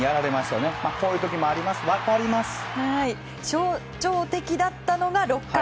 象徴的だったのが６回。